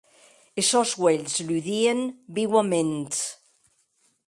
Es sòns uelhs ludien viuaments.